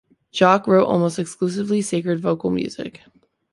Jacquet wrote almost exclusively sacred vocal music.